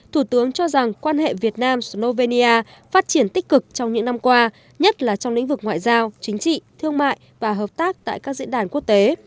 thủ tướng cho rằng quan hệ việt nam slovenia phát triển tích cực trong những năm qua nhất là trong lĩnh vực ngoại giao chính trị thương mại và hợp tác tại các diễn đàn quốc tế